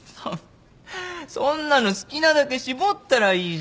そんなの好きなだけしぼったらいいじゃん。